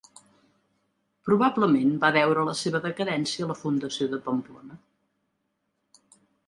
Probablement va deure la seva decadència a la fundació de Pamplona.